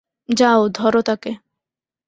যাও, ধরো তাকে।